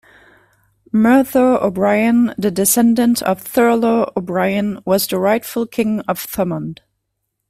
Murtough O'Brien, the descendant of Thurlough O'Brien was the rightful King of Thomond.